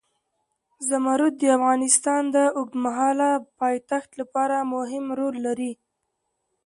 زمرد د افغانستان د اوږدمهاله پایښت لپاره مهم رول لري.